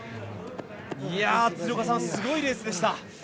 鶴岡さん、すごいレースでした。